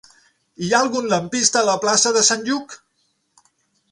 Hi ha algun lampista a la plaça de Sant Lluc?